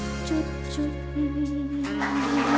ไม่คิดว่าเธอจะยังอยู่ในด้านนี้